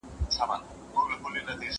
زړونه؟